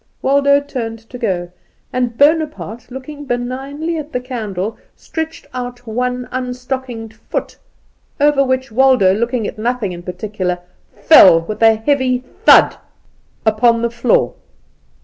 Waldo turned to go, and Bonaparte, looking benignly at the candle, stretched out one unstockinged foot, over which Waldo, looking at nothing in particular, fell with a heavy thud upon the floor.